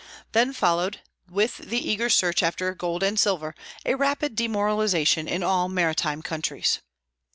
Then followed, with the eager search after gold and silver, a rapid demoralization in all maritime countries.